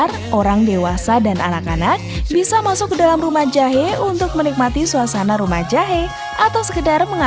rumah kue jahe